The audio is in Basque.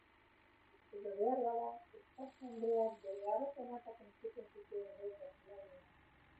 Edo beharbada Esparza andreak bere harat-honatak entzunen zituen goiko solairuan.